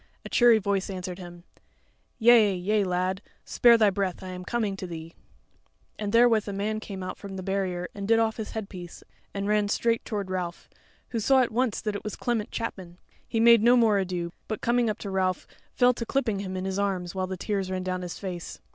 A cheery voice answered him: "Yea, yea, lad; spare thy breath; I am coming to thee." And therewith a man came from out the barrier and did off his headpiece and ran straight toward Ralph, who saw at once that it was Clement Chapman; he made no more ado, but coming up to Ralph fell to clipping him in his arms, while the tears ran down his face.